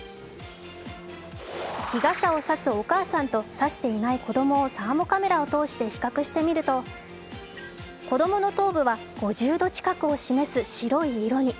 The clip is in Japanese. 日傘を差すお母さんと差していない子供をサーモカメラを通して比較してみると子供の頭部は５０度近くを示す白い色に。